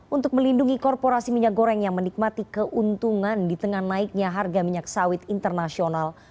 untuk melindungi korporasi minyak goreng yang menikmati keuntungan di tengah naiknya harga minyak sawit internasional